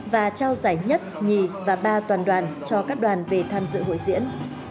và trao giải nhất nhì và ba toàn đoàn cho các đoàn về tham dự hội diễn